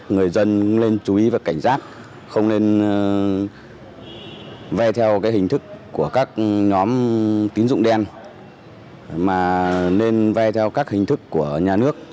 người dân nên chú ý và cảnh giác không nên vai theo hình thức của các nhóm tín dụng đen